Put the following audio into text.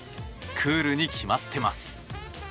クールに決まっています。